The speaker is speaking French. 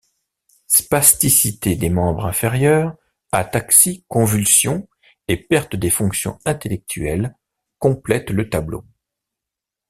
Spasticité des membres inférieurs, ataxie, convulsions et pertes des fonctions intellectuelles complètent le tableau.